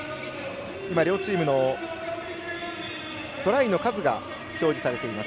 両チームのトライの数が表示されています。